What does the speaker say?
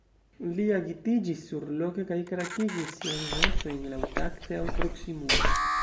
Ili agitiĝis surloke kaj krakigis siajn ostojn laŭtakte, aŭ proksimume.